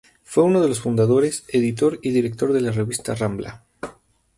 Fue uno de los fundadores, editor y director de la revista Rambla.